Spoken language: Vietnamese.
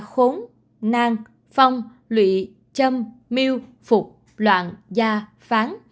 khốn nang phong lụy châm miêu phục loạn gia phán